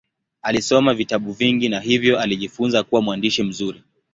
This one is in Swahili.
Alisoma vitabu vingi na hivyo alijifunza kuwa mwandishi mzuri.